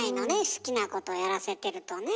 好きなことやらせてるとね。